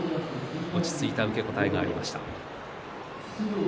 落ち着いた受け答えがありました。